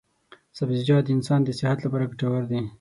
سبزیجات د انسان صحت لپاره ګټور دي.